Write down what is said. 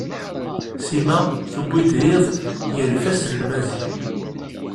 Sima tewwid iḍ gar yifasen n Maziɣ.